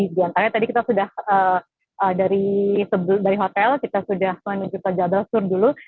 jadi antara tadi kita sudah dari hotel kita sudah menuju ke jabal sur dulu